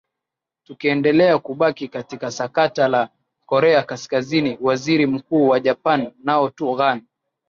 tukiendelea kubaki katika sakata la korea kaskazini waziri mkuu wa japan nao tu khan